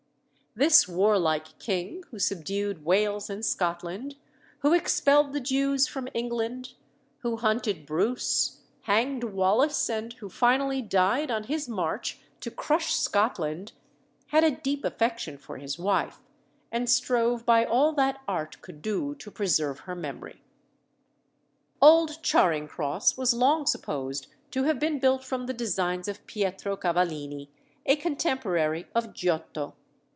This warlike king, who subdued Wales and Scotland, who expelled the Jews from England, who hunted Bruce, hanged Wallace, and who finally died on his march to crush Scotland, had a deep affection for his wife, and strove by all that art could do to preserve her memory. Old Charing Cross was long supposed to have been built from the designs of Pietro Cavallini, a contemporary of Giotto.